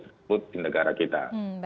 tersebut di negara kita